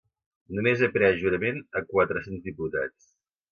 Només he pres jurament a quatre cents diputats.